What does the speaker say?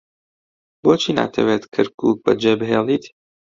بۆچی ناتەوێت کەرکووک بەجێبهێڵێت؟